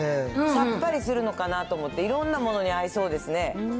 さっぱりするのかなと思って、いろんなものに合いそうですね。